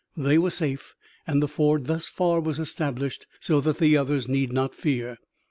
They were safe, and the ford thus far was established so that the others need not fear.